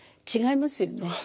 違いますよね。